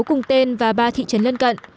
cùng tên và ba thị trấn lân cận